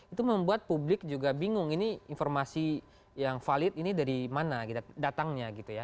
itu membuat publik juga bingung ini informasi yang valid ini dari mana datangnya gitu ya